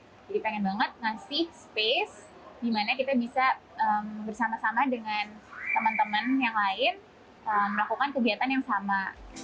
jadi pengen banget ngasih space di mana kita bisa bersama sama dengan teman teman yang lain melakukan kegiatan yang sama